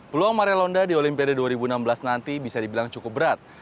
peluang maria londa di olimpiade dua ribu enam belas nanti bisa dibilang cukup berat